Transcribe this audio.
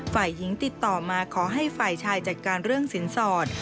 ฝ่ายหญิงติดต่อมาขอให้ฝ่ายชายจัดการเรื่องสินสอด